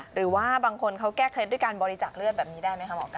หรือว่าบางคนเขาแก้เคล็ดด้วยการบริจาคเลือดแบบนี้ได้ไหมคะหมอก้า